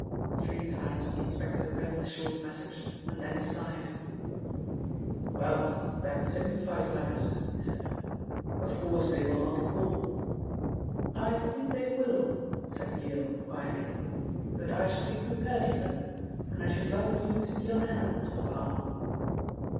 Three times the inspector read the short message, and then he sighed. "Well, that simplifies matters," he said. "Of course, they will not call " "I think they will," said Yale quietly; "but I shall be prepared for them, and I should like you to be on hand, Mr. Parr."